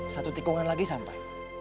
satu tikungan lagi sampai